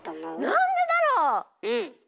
なんでだろう